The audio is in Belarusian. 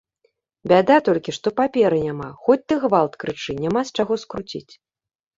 Бяда толькі, што паперы няма, хоць ты гвалт крычы, няма з чаго скруціць.